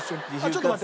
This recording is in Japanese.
ちょっと待って。